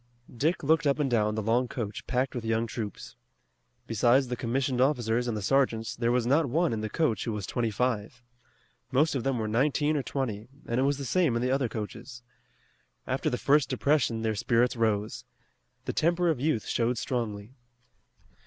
Dick looked up and down the long coach packed with young troops. Besides the commissioned officers and the sergeants, there was not one in the coach who was twenty five. Most of them were nineteen or twenty, and it was the same in the other coaches. After the first depression their spirits rose. The temper of youth showed strongly.